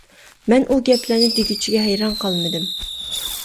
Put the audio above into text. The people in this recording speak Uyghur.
مەن ئۇ گەپلەرنى دېگۈچىگە ھەيران قالمىدىم.